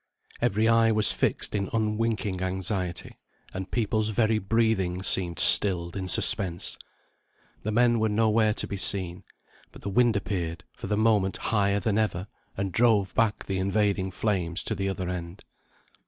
Every eye was fixed in unwinking anxiety, and people's very breathing seemed stilled in suspense. The men were nowhere to be seen, but the wind appeared, for the moment, higher than ever, and drove back the invading flames to the other end.